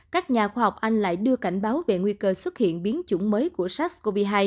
các nhà khoa học anh lại đưa cảnh báo về nguy cơ xuất hiện biến chủng mới của sars cov hai